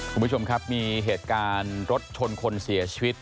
คุณผู้ชมครับมีเหตุการณ์รถชนคนเสียชีวิต